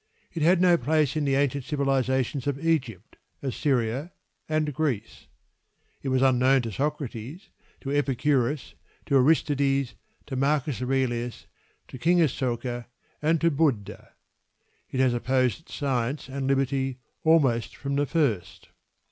It had no place in the ancient civilisations of Egypt, Assyria, and Greece. It was unknown to Socrates, to Epicurus, to Aristides, to Marcus Aurelius, to King Asoka, and to Buddha. It has opposed science and liberty almost from the first.